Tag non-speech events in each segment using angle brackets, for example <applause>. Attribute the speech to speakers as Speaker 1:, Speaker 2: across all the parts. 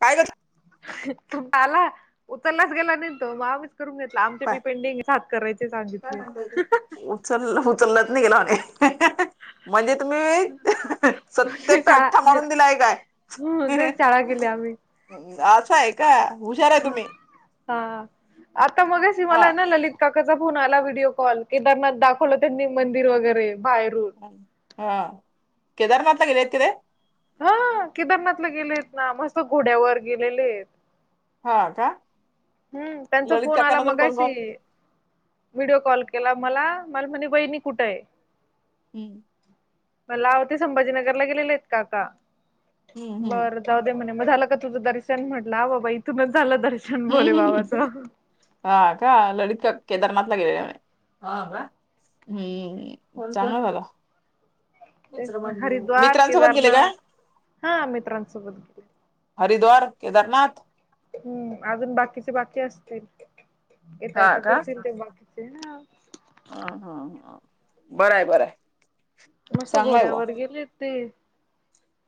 Speaker 1: काय कर
Speaker 2: तु आला उतरलाच गेला न तो मग आम्हीच करून घेतला आमचे मी पेंडिंग स हात करायच
Speaker 1: काय म्हण उचललं उचललंच नाही गेलं हो म्हणजे तुम्ही सतते प
Speaker 2: शाळा
Speaker 1: अठ्ठा मारून दिलाय काय
Speaker 2: ह तेच शाळा केली
Speaker 1: असं आहे का हुशार आहे
Speaker 2: ह
Speaker 1: तुम्ही
Speaker 2: हा आता मग स
Speaker 1: हा
Speaker 2: मला आहे ना ललित काका चा फोन आला व्हिडिओ कॉल केदारनाथ दाखवलं त्यांनी मंदिर वगैरे बाहेरून
Speaker 1: ह हा केदारनाथ गेलेत का ते
Speaker 2: हा केदारनाथला गेलेत ना मस्त घोड्यावर गेलेले आहेत
Speaker 1: हा का
Speaker 2: हम्म त्यांचा
Speaker 1: ललित
Speaker 2: फोन आला
Speaker 1: काकांना अजून कोण कोण
Speaker 2: मगाशी व्हिडिओ कॉल के केला मला मला म्हनेबहिणी कुठं आहे
Speaker 1: हम्म
Speaker 2: म्हणाल आव ते संभाजीनगरला गेलेले आहेत का का
Speaker 1: हम्म
Speaker 2: बरं जाऊ दे म्हणे ग झालं का तुझं दर्शन म्हटलं बाबा इथूनच झालं दर्शन भोले
Speaker 1: हम्म हम्म हम्
Speaker 2: बाबाचं.
Speaker 1: ह का ललता केदारनाथ गेलाय हा हम्म चांगलं द
Speaker 2: ते हरिद्वार
Speaker 1: गेले का
Speaker 2: केदारनाथ हा मित्रांसोबत गेले
Speaker 1: हरिद्वार केदारनाथ
Speaker 2: हम्म अजून बाकीचे बाकी असतील येता येता करतील ते बाकीचे
Speaker 1: हा हा बरंय बरंय
Speaker 2: मस्त घोड्यावर गेलेत ते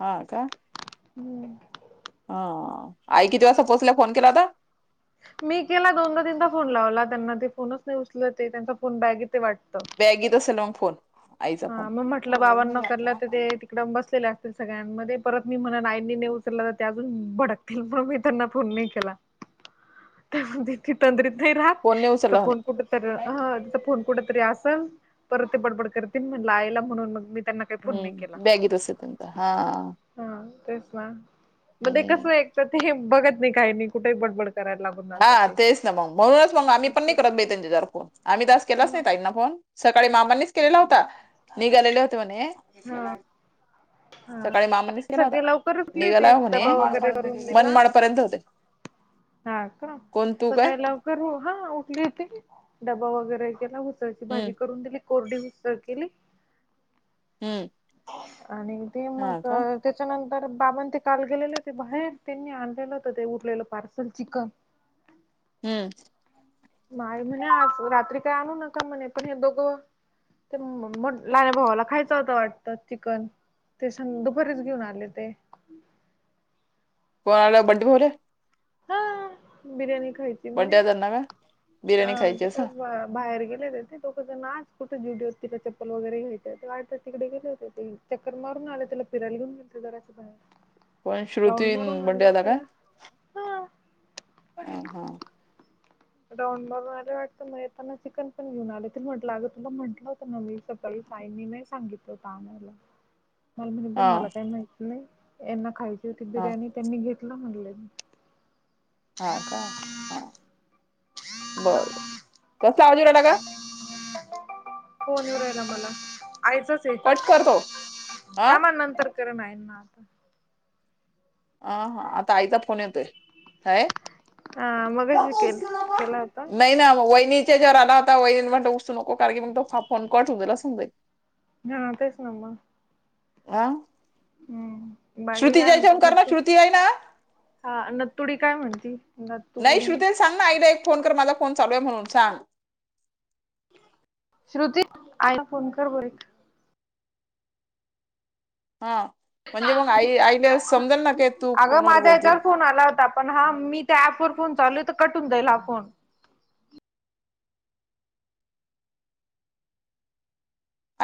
Speaker 1: हा का
Speaker 2: हम्म
Speaker 1: हा आई किती वाजता पोहोचल्या फोन केल्या होत्या
Speaker 2: मी केला दोनदा तीनदा फोन लावला त्यांना ते फोनच नाही उचल ते त्यांचा फोन बॅग ते वाटत
Speaker 1: बॅगी त असेल मग फोन आईचा फोन
Speaker 2: हा मग म्हटलं बावन्न करलं तर ते तिकड बस तील अस सगळ्यांमध्ये परत मी म्हण आईनी नाही उचललं तर ते अजून भडकतील म्हणून मी त्यांना फोन नाही केला त्या तंद्रीत
Speaker 1: फोन नाही
Speaker 2: राह
Speaker 1: उचलला म्हणे
Speaker 2: फोन कुठ तचा फोन कुठ तरी असेल परत ते बडबड कर त म्हणला आयला म्हणून मग मी त्यांना काही फोन नाही केला
Speaker 1: हम्म बॅगेत असेल त्यांचा हा
Speaker 2: हा म्हण कस
Speaker 1: हम्म
Speaker 2: त ते बघत नाही काही नाही कुठे बडबड करायला लागून जातात
Speaker 1: हा
Speaker 2: ते
Speaker 1: तेच ना मग म्हणूनच मग आम्ही पण नाही करत नाही त्यांच्या ज फोन आम्ही तास केलाच नाही ताईना फोन सकाळी मामांनीच केलेला होता निघालेले होते म्हणे
Speaker 2: हा
Speaker 1: सकाळी मामानीच केला
Speaker 2: सकाळी
Speaker 1: होता
Speaker 2: लवकर उठली
Speaker 1: निघाला
Speaker 2: होती
Speaker 1: होणे
Speaker 2: डबा
Speaker 1: मनमाडपर्यंत होते
Speaker 2: हम हा का
Speaker 1: कोण तू काय
Speaker 2: सकाळी लवकर हा उठली होते डबा वगैरे केला जराशी
Speaker 1: हम्म
Speaker 2: भाजी करून दिली कोरडी उसळ केली
Speaker 1: हम्म
Speaker 2: आणि ते मग
Speaker 1: हा का
Speaker 2: त्याच्यानंतर तर बाबां ते काल गेलेले होते बाहेर त्यांनी आणलेलं होत ते उरलेलं पार्सल चिकन हम्
Speaker 1: हम्म
Speaker 2: माय म्हणे रात्र. रात्री काय आणू नका म्हणे पण हे दोघं तर मग लहान भावाला खायचं होतं वाटतं चिकन ते सं.. दुपारीच घेऊन आले ते
Speaker 1: कोणाला बंडू भाऊला
Speaker 2: हा बिर्याणी खायची म्हणे
Speaker 1: बंट्या त्यांना का
Speaker 2: अ
Speaker 1: बिर्याणी खायची
Speaker 2: ते
Speaker 1: असं
Speaker 2: काय बाहेर गेले होते ना कुठे दोघे तिथे चपल वगैरे घ्यायला तिकडे गेले होते ते चक्कर मा फिरून आले त्याला फिरायला घेऊने गेलते जरासं बाहेर
Speaker 1: कोण श्रुती
Speaker 2: राऊंड मारून आणला
Speaker 1: मंडईला का
Speaker 2: त्याला हा
Speaker 1: हा हा
Speaker 2: राऊंड मारून आले वाटतं येताना चिकन पण घेऊन आले ते म्हटलं अगं तुला म्हटलं होतं ना मी सकाळी काय मी नाही सांगीतलं होतं आणायला मला म्हणले मला
Speaker 1: हा
Speaker 2: काही माहित नाही यांना खायची होती
Speaker 1: हा
Speaker 2: बिर्याणी त्यांनी घेतलं म्हणले
Speaker 1: हा का हा बर बर कसा आवज येऊ लागला ग
Speaker 2: फोन येऊ लागला मला आईचाच आहे
Speaker 1: कट करतो हा
Speaker 2: थांबा नंतर खरं नाही ना आता
Speaker 1: अ ह आता आईचा फोन येतोय काय
Speaker 2: हा मघाशी केल केला होता
Speaker 1: तो जेवायला आला होता वईन म्हणलं ऊगच नको कारण मग तो फोन करून दिला
Speaker 2: हां तेच ना मग
Speaker 1: हा
Speaker 2: हम्म बाकी काय
Speaker 1: श्रुतीच्या
Speaker 2: म्हणता
Speaker 1: हेच्यावरून कर ना
Speaker 2: नत्तू
Speaker 1: श्रुती हाय ना
Speaker 2: हा नतुडी काय म्हणती
Speaker 1: नाही
Speaker 2: नत्तुडी
Speaker 1: श्रुते सांग ना आईला एक फोन कर मला फोन चालू आहे म्हणून सांग
Speaker 2: श्रुती आई फोन कर बरं
Speaker 1: हा म्हणजे मग आई आईला समजेल ना की तू
Speaker 2: अगं
Speaker 1: फोनवर
Speaker 2: माझा
Speaker 1: बोलते
Speaker 2: ह्याच्यावर फोन आला होता पण हा मी त्या ऍपवर फोन चालू हे तर कटून जाईल हा फोन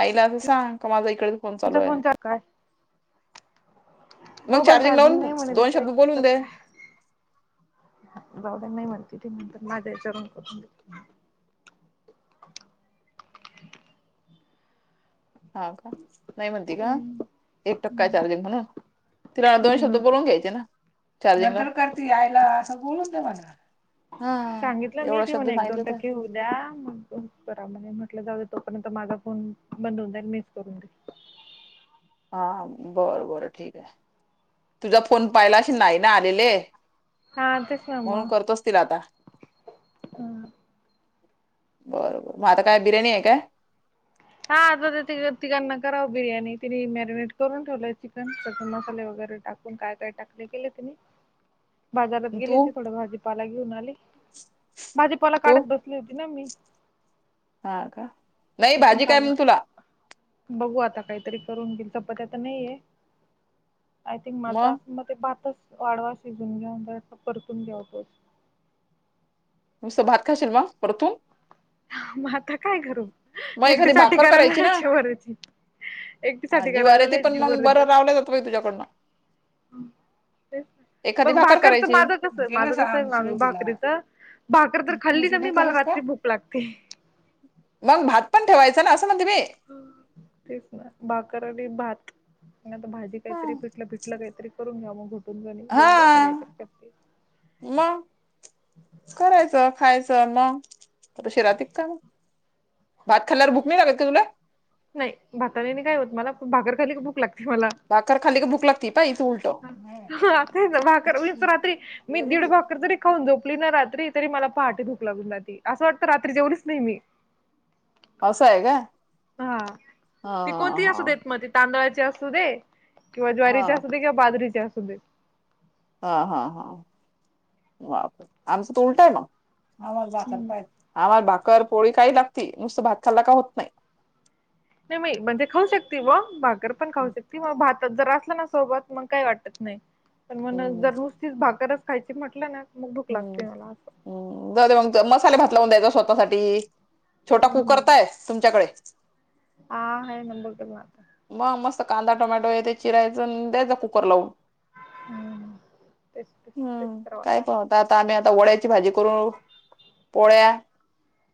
Speaker 1: आईला असं सांग का माझा इकडे चालू
Speaker 2: तुझा
Speaker 1: आहे
Speaker 2: फोन तर कर
Speaker 1: मग
Speaker 2: मोबाईल
Speaker 1: लावून
Speaker 2: चार्जिंग नाही म्हणे
Speaker 1: दोन
Speaker 2: तिचा
Speaker 1: शब्द
Speaker 2: एकच
Speaker 1: बोलून दे
Speaker 2: टक्का आहे जावदे नाही म्हणती त नंतर माझ्या हेच्या वरून करून देत करतो मग नंतर
Speaker 1: हो का नाही म्हणती का
Speaker 2: देते
Speaker 1: एक टक्का चार्जिंग म्हणून तिला दोन शब्द
Speaker 2: हम्म
Speaker 1: बोलून घ्यायचे ना चालेल ना. नंतर करती आईला असं द्याव ना
Speaker 2: सांगितलं मी तिला एक दोन
Speaker 1: तर
Speaker 2: टक्के होऊ द्या मग करायला येईल म्हटलं जाऊ द्या तोपर्यंत माझा फोन बंद होऊन जाईल मिच करून देईल
Speaker 1: हा बरं बरं ठीक आहे तुझा फोन पाहिला अशील ना आलेले
Speaker 2: हा तेच ना
Speaker 1: म्हणून
Speaker 2: मग
Speaker 1: करतोच तिला आता बर बर मग आता काय बिर्याणी आहे काय
Speaker 2: हा आता तिघ. तिघांना कराव बिर्याणी तिने मॅरिनेट करून ठेवलंय चिकन टाकून मसाले वगैरे बर टाकून काय काय टाकलं केले तिने बाजारात गेली
Speaker 1: तू
Speaker 2: होती थोड भाजीपाला घेऊन आले भाजीपाला
Speaker 1: तू
Speaker 2: काढत बसली होती ना मी इथून खालून
Speaker 1: करीन तुला
Speaker 2: बघू आता काहीतरी करून दिल चपात्या तर नाहीेय आय थिंक माझा मग ते भातच वाडवा शिजून घ्या ब परतून घ्यावतोच
Speaker 1: नुसतं भात खाशील म परतू
Speaker 2: मग आता काय करू एकटीसाठी
Speaker 1: भाकर ना
Speaker 2: करायची ज्वारीची
Speaker 1: हा
Speaker 2: एकटीसाटी
Speaker 1: जीवार
Speaker 2: करायला
Speaker 1: येती
Speaker 2: लयच
Speaker 1: पण
Speaker 2: जीवावर
Speaker 1: मग
Speaker 2: येत
Speaker 1: बरं रावलं जात तुझ्याकडनं
Speaker 2: हम ते
Speaker 1: एखादी
Speaker 2: मग
Speaker 1: भाकर
Speaker 2: भाकरच
Speaker 1: करायची
Speaker 2: माझं कस माझं कस आहे मामी भाकरीच भाकर तर खाल्ली तर मी मला रात्री भूक लागते
Speaker 1: मग भात पण ठेवायचं ना म्हणते मी
Speaker 2: तेच ना भाकर आणि भात नंतर भाजी काहीतरी
Speaker 1: हा
Speaker 2: पिटल भिटलं काहीतरी करून घ्याव मग घुटून आणि बघू आता काहीतरी करते
Speaker 1: मग करायचं खायचं मग तशीच ऱ्हाती का म भात खाल्ल्यावर भुक नाही लागत का तुला
Speaker 2: नाय भातने नाय काय होत मला भाकर खाली की भूक लागते
Speaker 1: भाकर खाली की भुक लागती पाय तू उल
Speaker 2: आताच भाकर मी रात्री मी दीड भाकर तरी खाऊ झोपली ना रात्री तरी मला पहाटे भूक लागून जाती असं वाटत रात्री जेवलीच नाही मी.
Speaker 1: असं आहे काय?
Speaker 2: हा ती कोणती असू
Speaker 1: हा
Speaker 2: देत मग त तांदळाची असू दे. किंवा
Speaker 1: हा
Speaker 2: ज्वारीचे असू दे किंवा बाजरीचे असू दे.
Speaker 1: हा हा हा वापर आमचं त उलटा आहे मग.
Speaker 2: हम्म.
Speaker 1: <unintelligible> तर पोळी खायाय लागती नुसत भात खा ला का होत नाही.
Speaker 2: म मी म्हणजे खाऊ शकते ब भाकर पण खाऊ शकते मग भात जर असलं ना सोबत मग काही वाटत. नाही पण मग
Speaker 1: हम्म
Speaker 2: जर नुसतीच भाकरच खायची म्हटलं ना मग भूक
Speaker 1: हम्म
Speaker 2: लागते मला असं.
Speaker 1: हम् जा मग मसाले भात लावून द्यायचा स्वतःसाठी. छोटा
Speaker 2: हम्म
Speaker 1: कुकर
Speaker 2: हम्म
Speaker 1: तर हाय तुमच्याकडे.
Speaker 2: हा हे नंबर <unintelligible>
Speaker 1: मग मस्त कांदा टोमॅटो इथ चिरायच द्यायचा कुकर लावून.
Speaker 2: हम्म. तेच तेच तेच
Speaker 1: हम्म
Speaker 2: कराव
Speaker 1: काय
Speaker 2: आता
Speaker 1: पण <unintelligible> वं ळ्याची भाजी करून पोळ्या.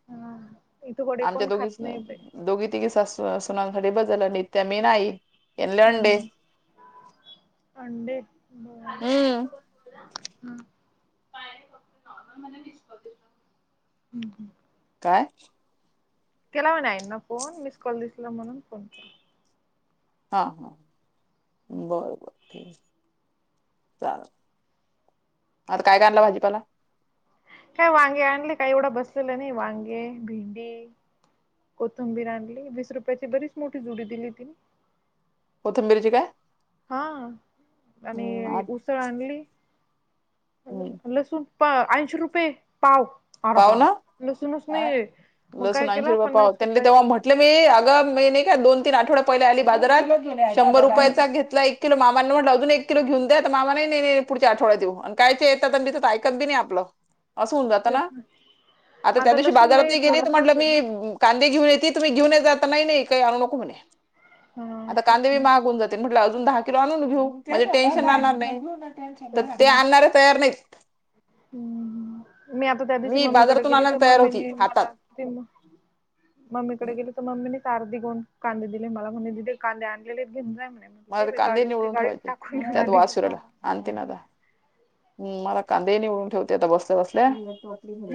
Speaker 2: हा इथं वडे
Speaker 1: आमच्या
Speaker 2: कोण
Speaker 1: दोघीच
Speaker 2: खात
Speaker 1: तर
Speaker 2: नाही बाई.
Speaker 1: दोघी तिघी सासवा सुनासाठी बस झाला.
Speaker 2: हम्म
Speaker 1: <unintelligible>
Speaker 2: अंडे हं
Speaker 1: हम्म
Speaker 2: <unintelligible>
Speaker 1: काय?
Speaker 2: केला मी फोन मिस कॉल दिसला म्हणून फोन केला.
Speaker 1: हा हा बर बर. ठीक चल आता काय काय आणला भाजीपाला?
Speaker 2: काय वांगे आणली काही एवढं बसलेलं नाही वांगे भिंडी. कोथंबीर आणली वीस रुपयाची बरीच मोठी जुडी दिली तिने.
Speaker 1: कोथंबिरीची काय?
Speaker 2: हा
Speaker 1: हम्म
Speaker 2: आणि
Speaker 1: आत-
Speaker 2: उसळ आणली
Speaker 1: हम्म.
Speaker 2: ल लसूण. पं ऐशी रुपये पाव, आर बाव, लसूणच नाहीए.
Speaker 1: लसून ऐंशी रुपये पाव त्यांनी तेव्हा म्हटलं मी अगा मी नाय का दोन त आठवड पहिलं आली बाजारात शंभर
Speaker 2: हम्म
Speaker 1: रुपयाचा घेतलाएक किलो मामा म्हटलं अजून एक किलो घेऊन द्या तर मामा नाही नाही पुढच्या आठवड्या देऊ आणि काय ते ऐकत बी नाय आपल. असं होऊन जात ना आता त्या दिवशी
Speaker 2: लसूण
Speaker 1: बाजारात
Speaker 2: नाही
Speaker 1: गेली तर म्हटलं
Speaker 2: थोडसच आहे
Speaker 1: मी
Speaker 2: ना
Speaker 1: काय कांदे घेऊन येते तुम्ही घेऊन जात नाही काही आणू नको म्हणे
Speaker 2: हा
Speaker 1: आता कांदे
Speaker 2: तेच
Speaker 1: बी
Speaker 2: ना
Speaker 1: महाग होऊन जातील म्ह अजून दहा किलो आणून घेऊ म्हणजे टेन्शन आणणार
Speaker 2: हम्म
Speaker 1: नाही तर
Speaker 2: तेच
Speaker 1: ते
Speaker 2: ना
Speaker 1: आणणार तयार नाही.
Speaker 2: हम्म मी आता त्या दिवशी
Speaker 1: मी
Speaker 2: मम्मीकडे
Speaker 1: बाजारातून
Speaker 2: गेली तर
Speaker 1: आणायला तयार होती
Speaker 2: मम्मीनी
Speaker 1: हातात
Speaker 2: मला ते म मम्मीकडे
Speaker 1: हम्म.
Speaker 2: गेले तर मम्मी अर्धी गोणी कांदे दिले मला म्हणे दिदे कांदे आणलेले आहेत घेऊन जा म.
Speaker 1: मला ते
Speaker 2: दे
Speaker 1: कांदे
Speaker 2: गाडी होती
Speaker 1: निवडून
Speaker 2: गाडी
Speaker 1: ठेवायचे
Speaker 2: टाकून घेऊन
Speaker 1: त्यात
Speaker 2: आली.
Speaker 1: हम मला कांदे निवडून ठेवते आता बसल्या बसल्या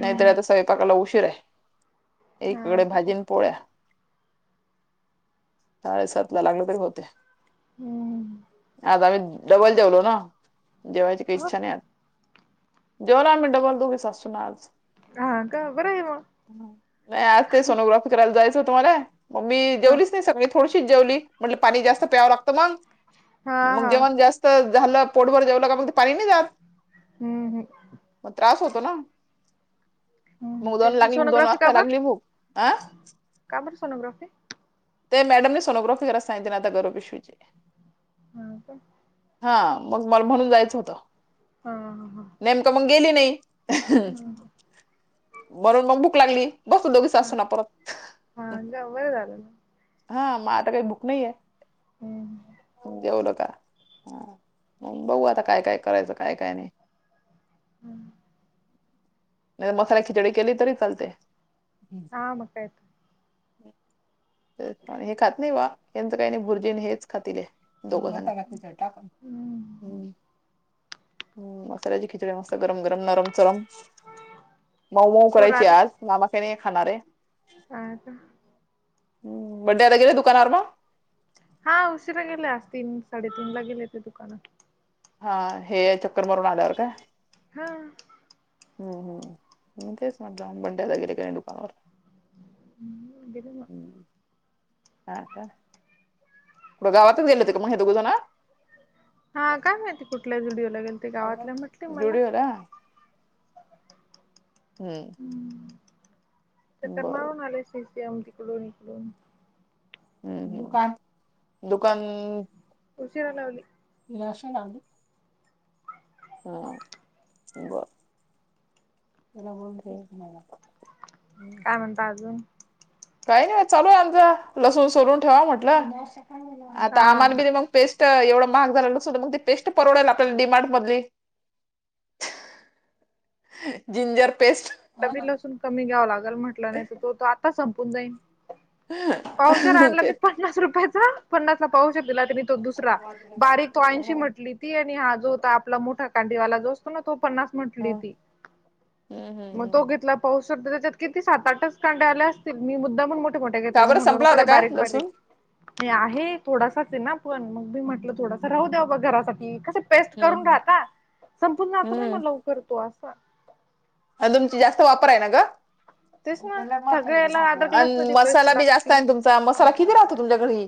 Speaker 1: नाहीत आता स्वयंपाकाला उशीर आहे.
Speaker 2: हा
Speaker 1: एककडे
Speaker 2: तसं
Speaker 1: भाजीन पोळ्या. साडेसात ला लागल तरी होते.
Speaker 2: हम्म
Speaker 1: आज आम्ही डबल जेवलो ना जेव् छान जेवायला आम्ही डबल दोघी सासू सुना च..
Speaker 2: हा का बरं आहे मग
Speaker 1: नाही आज ते सोनोग्राफी करायला जायचं होत मला. मग मी
Speaker 2: हा
Speaker 1: जेवलीच नाही सगळी थोडीशीच जेवली. म्हटले पाणी जास्त प्यावं लागतं मग
Speaker 2: हा
Speaker 1: मग
Speaker 2: हा
Speaker 1: जेवण जास्त ज झालं पोट भर जेवला कीं मग पानी नाय जात.
Speaker 2: हम्म हम्म.
Speaker 1: तुला.
Speaker 2: रिकामा ऑडिओ
Speaker 1: मग दोन लागली दोन वाजता लागली भूक आ.
Speaker 2: का बर सोनोग्राफी
Speaker 1: ते मॅडमने सोनोग्राफी करायला सांगितली आता गर्भ पिशवीची
Speaker 2: हा का?
Speaker 1: हा मग मला म्हणून जायचं होतं.
Speaker 2: हा हा हा
Speaker 1: नेमकं मग गेली नाही. म्हणून मग भुक लागली. बसतो दोघी
Speaker 2: हा
Speaker 1: सासु-सुना परत
Speaker 2: हा ग बरं झालं ना
Speaker 1: हा मग आता काय भूक नाहीये.
Speaker 2: हम्म
Speaker 1: देऊलग बगू आता काय काय करायचं, काय काय नाही.
Speaker 2: हम्म.
Speaker 1: नाही मसाला खिचडी केली तरी चालते.
Speaker 2: हा म कायेतर
Speaker 1: हे खात नाही वा यांचं काही नाही भुर्जीने हेच खातील हे दोघेजण नाही क खिचडी टाकन,
Speaker 2: हम्म
Speaker 1: मसाल्याची खिचडी मस गरम-गरम, नरम-चरम, मऊ-मऊ करायची आज मामा काही नाही खाणारे
Speaker 2: ह का?
Speaker 1: बंड्यादा गेले दुकानार म?
Speaker 2: हा उशिरा गेले आज, तीन-साडेतीन ला गेले ते दुकानात
Speaker 1: हा हे चक्कर मारून आल्यावर का?
Speaker 2: हा.
Speaker 1: हम्म हम् म काय स ला बंड्या वगैरे का नाही दुकानावर
Speaker 2: गेले मग
Speaker 1: हा का? कुठं गावातच गेल होते का म्हग हे दोघजना
Speaker 2: हा काय माहिती कुठल्या जुडिओला गेल ते गावातल्या म्हटले मला
Speaker 1: ड्युटीवर हम्म.
Speaker 2: चक्कर
Speaker 1: बरोबर.
Speaker 2: मारून आले, इकडून-तिकडून-इकडून
Speaker 1: हम्म दुका दुकान
Speaker 2: उशीर लावली
Speaker 1: अशी लावली हा ब
Speaker 2: काय म्हणता अजून?
Speaker 1: काही नाही चालू आमचं. लसून सोलून ठेवावं म्हटलं आता
Speaker 2: हा
Speaker 1: आमार बि मग पेस्ट एवढं महाग झालं नसं मग पेस्ट परवडायला तर डिमार्ट मधली जिंजर पेस्ट
Speaker 2: तला बी लसून कमी घ्यावं लागल म्हटलं नाही तर तो तो आता संपून जाईन पावशेर आणला
Speaker 1: ते
Speaker 2: मी पन्नास रुपयाचा, पन्नास ला पाव तो दुसरा बारीक तो आईशी म्हटंली ती आणि हा जो होता आपला मोठा कांडीवाला जो असतो ना, तो पन्नास म्हंटली
Speaker 1: हम्म
Speaker 2: ती.
Speaker 1: हम्म
Speaker 2: मग
Speaker 1: हम्म
Speaker 2: तो घेतला पाऊस शकतता त्याच्यात किती सात-आठच कांड्या आल्या असतील मी मुद्दामुन म्ह मोठ्या
Speaker 1: का
Speaker 2: घेतल्या. मी
Speaker 1: बरं
Speaker 2: म्हणलो
Speaker 1: संपला
Speaker 2: नको
Speaker 1: होता
Speaker 2: त्या
Speaker 1: काय
Speaker 2: बारीक-बारीक
Speaker 1: लसूण
Speaker 2: हे आहे थोडासाच आहे ना पण मग मी म्हटलं, थोडासा राहू द्या बा घरासाठी कसं पेस्ट
Speaker 1: हम्म
Speaker 2: करून
Speaker 1: हम्म
Speaker 2: घाता संपुन जातो ना
Speaker 1: हम्म
Speaker 2: मग लवकरतो आसं
Speaker 1: आणि तुमची जास्त वापर आहे ना ग?
Speaker 2: तेच ना सगळ्याला अद्रक लसणाची पेस्ट
Speaker 1: मसाला बी जास्त
Speaker 2: लागती
Speaker 1: आहे तुमचा. मसाला किती राहतो तुमच्याकडे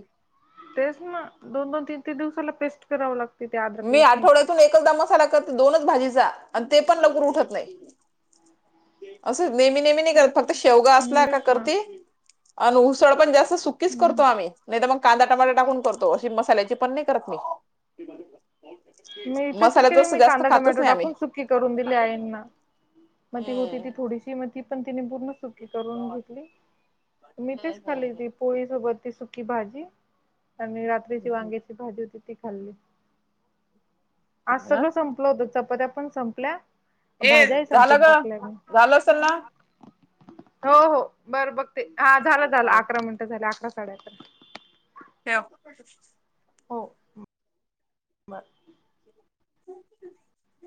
Speaker 2: तेच ना, दोन-दोन-तीन-तीन दिवसाला पेस्ट करावं लागतं
Speaker 1: मी आठवड्यातून एकदा मसाला करते, दोनच भाजीचा आणि ते पण लवकर उठत नाही. असं नेहमी, नेहमी नाही करत फक्त शेवगा असला
Speaker 2: हम्म
Speaker 1: का
Speaker 2: तेच ना
Speaker 1: करती आन उसळ पण जास्त सुकीच
Speaker 2: हम्म
Speaker 1: करतो आम्ही नाही तर मग कांदा, टमाटा टाकून करतो अशी मसाल्याची पण नाही करत मी.
Speaker 2: मी तसेच केले
Speaker 1: मसाल्याच
Speaker 2: मी
Speaker 1: जास्त
Speaker 2: कांदा,
Speaker 1: खातच
Speaker 2: टमॅटो
Speaker 1: नाही आम्ही
Speaker 2: टाकून सुकी करून दिले आईनां म ती होती ती
Speaker 1: हम्म
Speaker 2: थोडीशी म ती पण तिनी पूर्ण सू करून घेतली्ी
Speaker 1: हम्म
Speaker 2: तेच खाली ती
Speaker 1: हम्म
Speaker 2: पोळी सोबत ती सुकी भाजी आणि रात्रीची
Speaker 1: हम्म
Speaker 2: वांग्याची भाजी होती ती खाल्ली आज
Speaker 1: ना
Speaker 2: सगळं संपल होत चपात्या पण संपल्या
Speaker 1: हे
Speaker 2: भाज्याही
Speaker 1: झालं
Speaker 2: संपून
Speaker 1: ग
Speaker 2: टाकल्या मी
Speaker 1: झालं असल ना
Speaker 2: हो हो बरं बघ ते हा झालं झालं
Speaker 1: हा
Speaker 2: अकरा मिनिटं झाले अकरा साडे अकरा
Speaker 1: होव
Speaker 2: म
Speaker 1: ह